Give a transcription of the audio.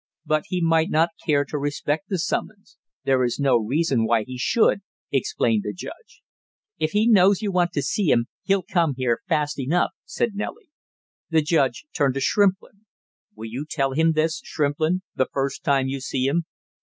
"But he might not care to respect the summons; there is no reason why he should," explained the judge. "If he knows you want to see him, he'll come here fast enough!" said Nellie. The judge turned to Shrimplin. "Will you tell him this, Shrimplin, the first time you see him?"